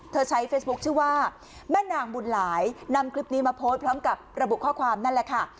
ใช้เฟซบุ๊คชื่อว่าแม่นางบุญหลายนำคลิปนี้มาโพสต์พร้อมกับระบุข้อความนั่นแหละค่ะ